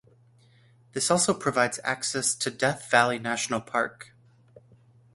This also provides access to Death Valley National Park.